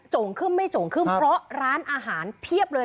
่งขึ้นไม่โจ่งขึ้นเพราะร้านอาหารเพียบเลย